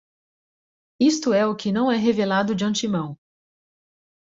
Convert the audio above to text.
Isto é o que não é revelado de antemão.